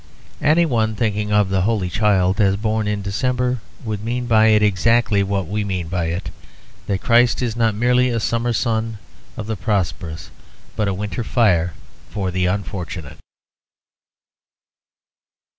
Any one thinking of the Holy Child as born in December would mean by it exactly what we mean by it; that Christ is not merely a summer sun of the prosperous but a winter fire for the unfortunate.